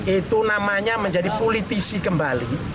itu namanya menjadi politisi kembali